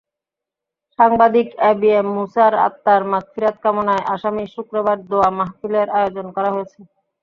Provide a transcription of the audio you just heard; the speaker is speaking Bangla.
সাংবাদিক এবিএম মূসার আত্মার মাগফিরাত কামনায় আগামী শুক্রবার দোয়া মাহফিলের আয়োজন করা হয়েছে।